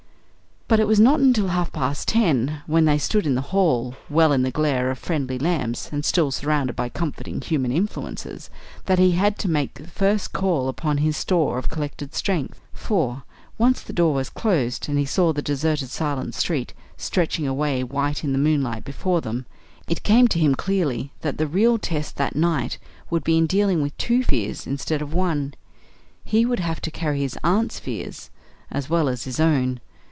But it was not until half past ten, when they stood in the hall, well in the glare of friendly lamps and still surrounded by comforting human influences, that he had to make the first call upon this store of collected strength. For, once the door was closed, and he saw the deserted silent street stretching away white in the moonlight before them, it came to him clearly that the real test that night would be in dealing with two fears instead of one. He would have to carry his aunt's fear as well as his own.